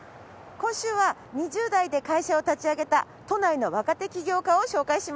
今週は２０代で会社を立ち上げた都内の若手起業家を紹介します。